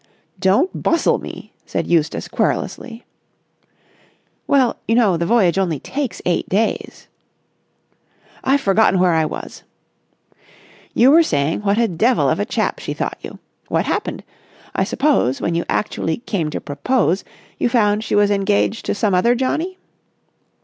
"Don't bustle me," said Eustace querulously. "Well, you know, the voyage only takes eight days." "I've forgotten where I was." "You were saying what a devil of a chap she thought you. What happened? I suppose, when you actually came to propose, you found she was engaged to some other johnny?"